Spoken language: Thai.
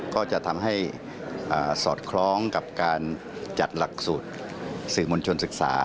ก็จะทำให้สอดคล้องกับการจัดหลักสูตรสื่อมวลชนศึกษา